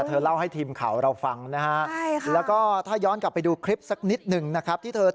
เธอเล่าให้ทีมข่าวเราฟังนะครับ